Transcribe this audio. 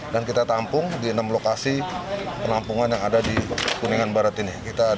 dan kita tampung di enam lokasi penampungan yang ada di kuningan barat ini